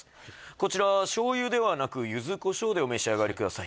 こちら醤油ではなくゆず胡椒でお召し上がりください